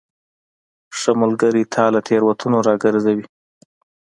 ښه ملګری تا له تیروتنو راګرځوي.